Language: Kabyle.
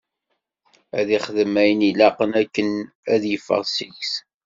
Ad ixdem ayen ilaqen akken ad d-yeffeɣ seg-s.